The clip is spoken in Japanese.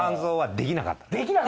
できなかったの？